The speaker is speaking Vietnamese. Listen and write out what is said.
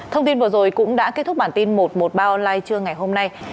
thông tin vừa rồi cũng đã kết thúc bản tin một trăm một mươi ba online trưa ngày hôm nay